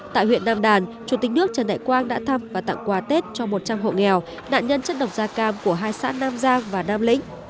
tại huyện nam đàn chủ tịch nước trần đại quang đã thăm và tặng quà tết cho một trăm linh hộ nghèo nạn nhân chất độc da cam của hai xã nam giang và nam lĩnh